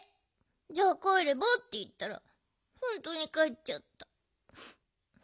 「じゃあかえれば？」っていったらほんとにかえっちゃった。